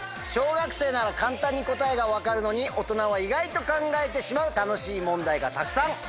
小学生なら簡単に答えが分かるのに大人は意外と考えてしまう楽しい問題がたくさん！